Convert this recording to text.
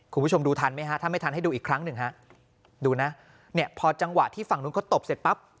คุณผู้ชมดูทันไหมฮะถ้าไม่ทันให้ดูอีกครั้งหนึ่งฮะดูนะเนี่ยพอจังหวะที่ฝั่งนู้นเขาตบเสร็จปั๊บ